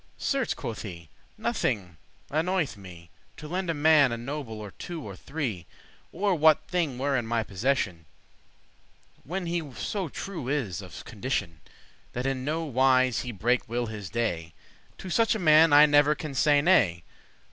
* *pleased "Certes," quoth he, *"nothing annoyeth me* *I am not unwiling* To lend a man a noble, or two, or three, Or what thing were in my possession, When he so true is of condition, That in no wise he breake will his day; To such a man I never can say nay."